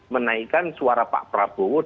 menaikkan suara pak prabowo